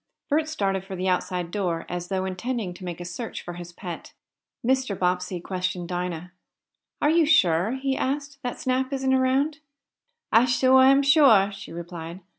Bert started for the outside door, as though intending to make a search for his pet. Mr. Bobbsey questioned Dinah. "Are you sure," he asked, "that Snap isn't around?" "I suah am suah," she replied.